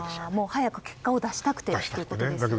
早く結果を出したくてっていうことですよね。